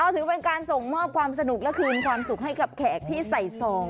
ถือเป็นการส่งมอบความสนุกและคืนความสุขให้กับแขกที่ใส่ซอง